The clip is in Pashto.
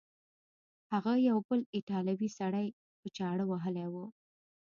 هغه یو بل ایټالوی سړی په چاړه وهلی و.